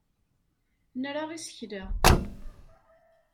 Nra isekla.